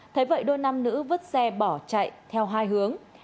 thấy vậy đôi nam nữ vứt xe bỏ chạy theo hai hướng